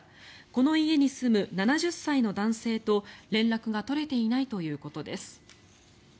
この家に住む７０歳の男性と連絡が取れていないということです。